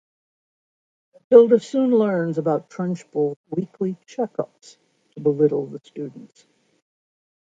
Matilda soon learns about Trunchbull's weekly "checkups" to belittle the students.